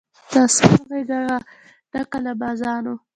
د آسمان غېږه وه ډکه له بازانو